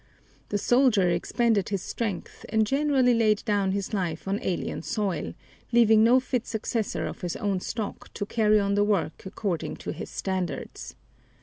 The soldier expended his strength and generally laid down his life on alien soil, leaving no fit successor of his own stock to carry on the work according to his standards.